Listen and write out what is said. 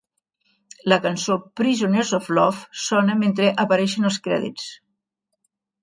La cançó "Prisoners of Love" sona mentre apareixen els crèdits.